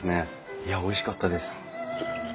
いやおいしかったです。